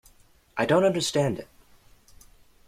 I don't understand it.